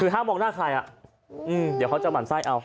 คือห้ามมองหน้าใครเดี๋ยวเขาจะหมั่นไส้เอา